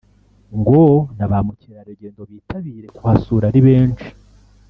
ngo na ba mukerarugendo bitabire kuhasura ari benshi